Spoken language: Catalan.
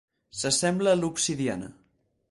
S'assembla a l'obsidiana.